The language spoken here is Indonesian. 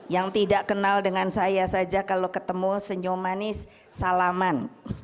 yang tidak kenal dengan saya saja kalau ketemu senyum manis salaman